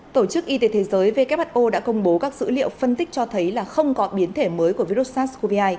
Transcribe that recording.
tổ chức y tế thế giới who đã công bố các dữ liệu phân tích cho thấy là không có biến thể mới của virus sars cov hai